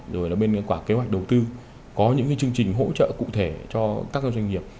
rồi là bên quả kế hoạch đầu tư có những chương trình hỗ trợ cụ thể cho các doanh nghiệp